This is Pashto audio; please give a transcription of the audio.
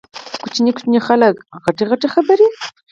واړه واړه خلک غټې غټې خبرې!